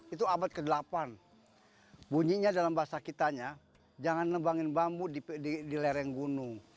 itu abad ke delapan bunyinya dalam bahasa kitanya jangan nembangin bambu di lereng gunung